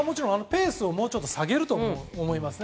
ペースをもうちょっと下げると思いますね。